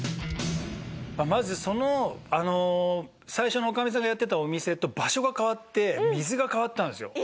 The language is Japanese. まずその最初の女将さんがやってたお店と場所が変わって水が変わったんですよ。